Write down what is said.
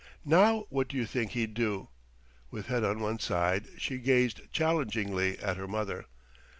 Now what do you think he'd do?" With head on one side she gazed challengingly at her mother.